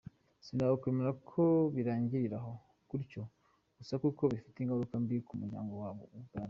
Sinakwemera ko birangirira aho gutyo gusa kuko bifite ingaruka mbi ku muryango wa Buganda.